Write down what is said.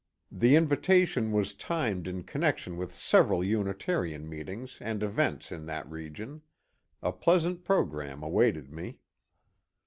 The invitation was timed in connection with several Unitarian meetings and events in that region. A pleasant programme awaited me.